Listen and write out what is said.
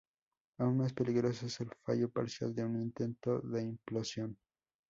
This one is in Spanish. Aún más peligroso es el fallo parcial de un intento de implosión.